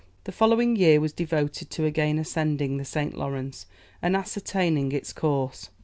The following year was devoted to again ascending the St. Lawrence, and ascertaining its course.